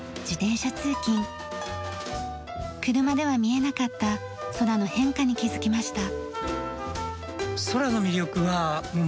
車では見えなかった空の変化に気づきました。